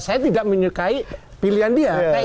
saya tidak menyukai pilihan dia